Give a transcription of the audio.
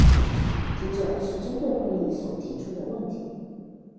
接著是針對會議所提出的問題